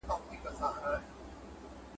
هغوی وليدل چې دوه کتابونه بدل شوي دي.